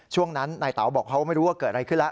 ช่วงนั้นนายเต๋าบอกเขาไม่รู้ว่าเกิดอะไรขึ้นแล้ว